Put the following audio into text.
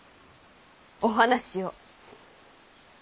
お話を。